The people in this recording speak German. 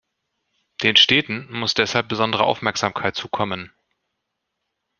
Den Städten muss deshalb besondere Aufmerksamkeit zukommen.